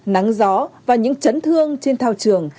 nắng gió và những trấn thương trên thao trường